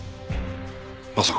まさか。